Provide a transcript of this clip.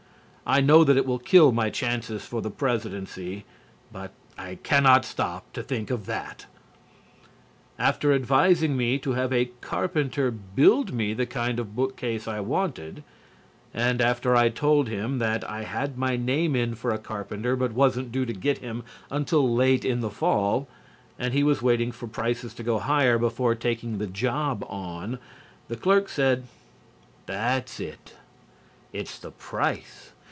I know that it will kill my chances for the Presidency, but I cannot stop to think of that. After advising me to have a carpenter build me the kind of bookcase I wanted, and after I had told him that I had my name in for a carpenter but wasn't due to get him until late in the fall, as he was waiting for prices to go higher before taking the job on, the clerk said: "That's it. It's the price.